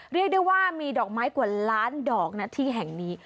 เรียกได้ว่ามีดอกไม้กว่าล้านดอกนะที่แห่งนี้